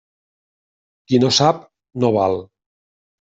Qui no sap, no val.